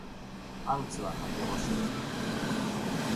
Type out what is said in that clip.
パンツは陰干し